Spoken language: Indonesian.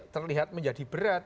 terlihat menjadi berat